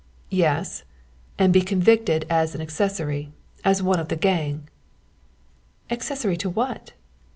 "Yes, and be convicted as an accessory as one of the gang." "Accessory to what?"